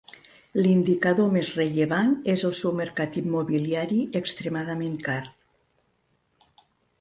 L'indicador més rellevant és el seu mercat immobiliari extremadament car.